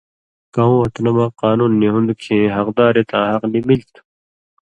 کؤں وطنہ مہ قانُون نی ہُون٘د کھیں حقدارے تاں حق نی مِلیۡ تُھو۔